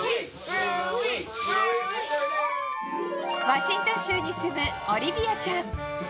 ワシントン州に住むオリビアちゃん。